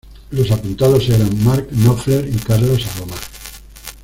Los apuntados eran Mark Knopfler y Carlos Alomar.